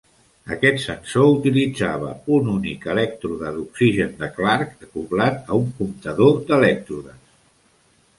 Aquest sensor utilitzava un únic elèctrode d'oxigen de Clark acoblat a un comptador d'elèctrodes.